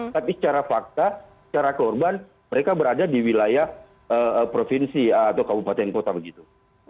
tapi secara fakta secara korban mereka berada di wilayah provinsi atau kabupaten kota begitu